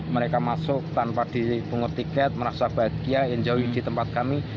mereka masuk tanpa dipungut tiket merasa bahagia enjoy di tempat kami